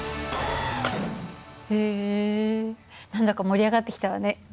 へえ何だか盛り上がってきたわね。